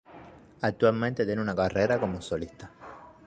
Actualmente tiene una carrera como solista.